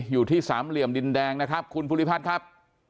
อยู่ที่สามเหลี่ยมดินแดงนะครับคุณภูริพัฒน์ครับ